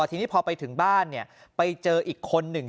ทีนี้พอไปถึงบ้านไปเจออีกคนหนึ่ง